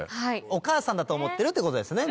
お母さんだと思ってるってことですね